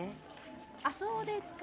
あそうでっか。